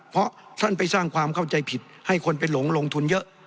เพราะท่านไปสร้างความเข้าใจผิดให้คนไปหลงลงทุนเยอะ